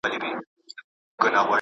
مطالعه شخصیت ته ښکلا ورکوي.